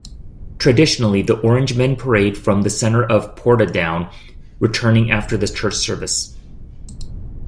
Traditionally the Orangemen parade from the centre of Portadown, returning after the church service.